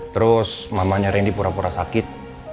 terus mamanya randy pura pura sakit